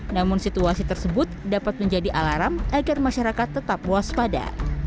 namun situasi tersebut dapat menjadi alarm agar masyarakat tetap waspada